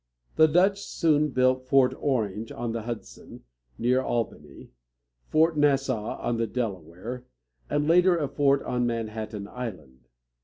The Dutch soon built Fort Orange on the Hudson, near Albany, Fort Nas´sau on the Delaware, and, later, a fort on Manhattan Island.